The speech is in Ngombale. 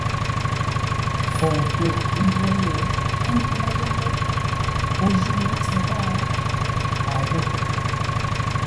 Fou tô ńjwó yé, ə́ ntúŋú yé ngô o jî no ntsə́ ghâa? A ghó.